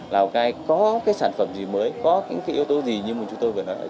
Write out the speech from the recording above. lào cai có sản phẩm gì mới có những yếu tố gì như chúng tôi vừa nói